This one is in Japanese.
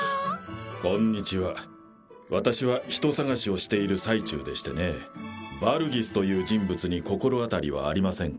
こんにちは私は人捜しをしている最中でしてねバルギスという人物に心当たりはありませんか？